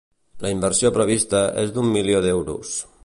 La inversió prevista és d'un milió d'euros.